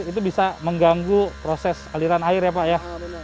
itu bisa mengganggu proses aliran air ya pak ya